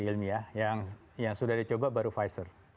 ilmiah yang sudah dicoba baru pfizer